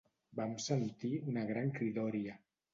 Vam sentir una gran cridòria.